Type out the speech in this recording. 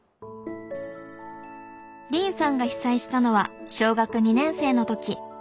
凜さんが被災したのは小学２年生の時。